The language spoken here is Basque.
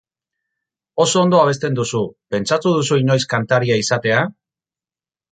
Oso ondo abesten duzu, pentsatu duzu inoiz kantaria izatea?